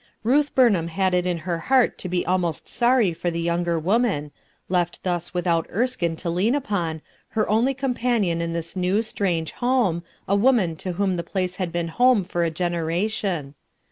Jtuth Buroham had it in her heart to be almost 12G RUTH ERSKINE'S SON sorry for the 3 ounger woman, left thus without Erskine to lean upon, her only companion i n this new, strange home, a woman to whom the place had been home for a generation.